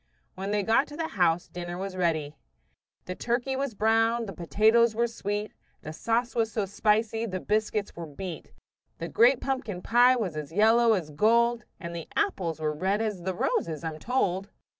When they got to the house dinner was just ready. The turkey was brown, the potatoes were sweet, The sauce was so spicy, the biscuits were beat, The great pumpkin pie was as yellow as gold, And the apples were red as the roses, I'm told.